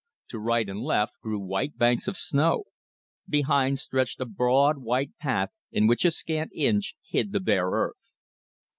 To right and left grew white banks of snow. Behind stretched a broad white path in which a scant inch hid the bare earth.